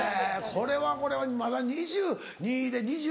これはこれはまだ２２で２１。